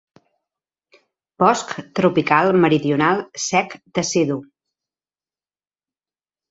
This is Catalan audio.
Bosc tropical meridional sec decidu.